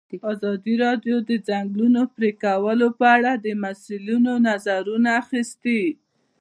ازادي راډیو د د ځنګلونو پرېکول په اړه د مسؤلینو نظرونه اخیستي.